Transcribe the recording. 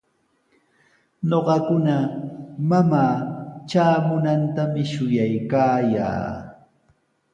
Ñuqakuna mamaa traamunantami shuyaykaayaa.